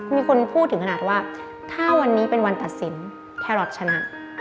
มีคนพูดถึงขนาดว่าถ้าวันนี้เป็นวันตัดสินแครอทชนะ